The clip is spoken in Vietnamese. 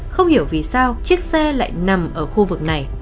không hiểu vì sao chiếc xe lại nằm ở khu vực này